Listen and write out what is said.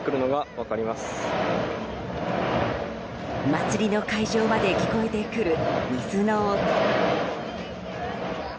祭りの会場まで聞こえてくる水の音。